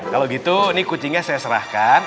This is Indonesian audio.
kalau gitu ini kucingnya saya serahkan